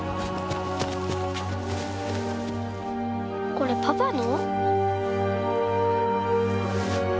これパパの？